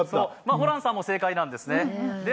ホランさんも正解なんですね。